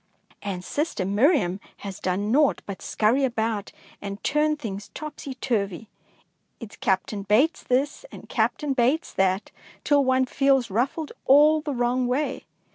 "And sister Miriam has done naught 237 DEEDS OF DAKING but scurry about and turn things topsy turvy. It^s Captain Bates this and Captain Bates that, till one feels ruffed all the wrong way.